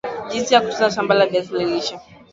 jinsi ya kutunza shamba la viazi lishe